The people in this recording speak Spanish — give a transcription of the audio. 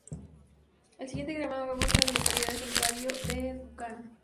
El siguiente diagrama muestra a las localidades en un radio de de Duncan.